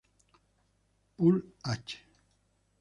Pool H